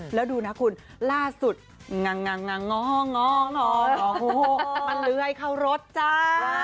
เพราะดูนะคุณล่าสุดมันเหลือให้เขารถจ้า